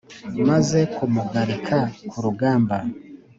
Maze kumugarika ku rugamba